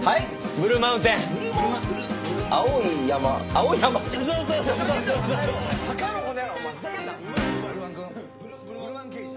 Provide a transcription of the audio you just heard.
ブルマン刑事。